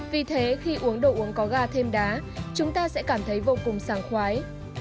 vì thế khi uống đồ uống có gà thêm đá chúng ta sẽ cảm thấy vô cùng sàng khoái